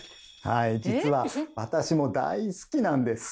はい実は私も大好きなんです。